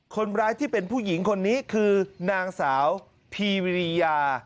คนร้ายที่เป็นผู้หญิงคนนี้คือนางสาวพีวิริยา